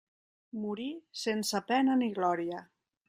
Morí sense pena ni glòria.